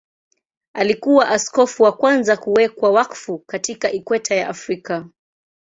Alikuwa askofu wa kwanza kuwekwa wakfu katika Ikweta ya Afrika.